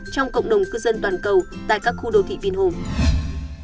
trong cộng đồng cư dân toàn cầu tại các khu đô thị vinhome